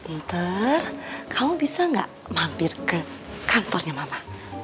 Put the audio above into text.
enter kamu bisa nggak mampir ke kantornya mama